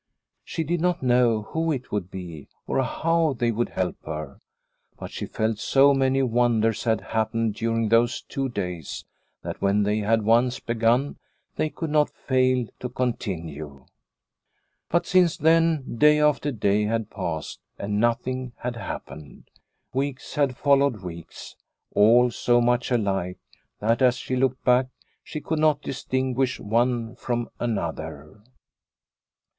She did not know who it would be or how they would help her, but she felt so many wonders had happened during those two days, that when they had once begun they could not fail to continue. But, since then, day after day had passed and nothing had happened. Weeks had fol lowed weeks, all so much alike, that as she looked back she could not distinguish one from another.